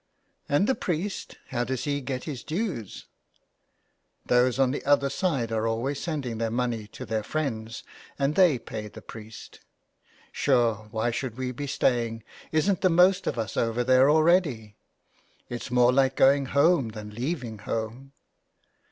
" And the priest ? How does he get his dues ?'*" Those on the other side are always sending their money to their friends and they pay the priest. Sure why should we be staying ? Isn't the most of us over there already. It's more like going home than leaving home."